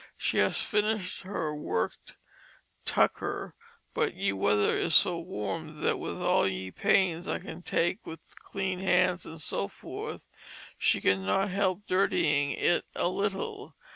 She has finish'd her work'd Tucker, but ye weather is so warm that with all ye pains I can take with clean hands and so forth she cannot help dirtying it a little.